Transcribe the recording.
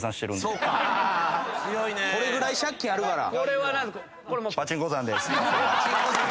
これぐらい借金あるから。